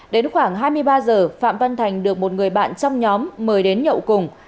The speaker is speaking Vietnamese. đến khoảng hai mươi ba giờ phạm văn thành được một người bạn trong nhóm mời đến nhậu cùng